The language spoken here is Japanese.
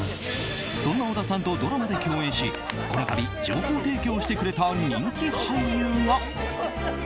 そんな小田さんとドラマで共演しこのたび情報提供してくれた人気俳優が。